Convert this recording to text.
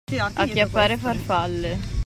Acchiappare farfalle.